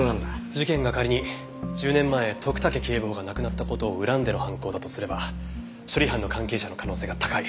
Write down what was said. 事件が仮に１０年前徳武警部補が亡くなった事を恨んでの犯行だとすれば処理班の関係者の可能性が高い。